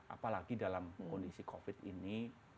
apalagi dalam kondisi covid ini